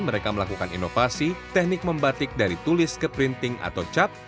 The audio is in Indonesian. mereka melakukan inovasi teknik membatik dari tulis ke printing atau cap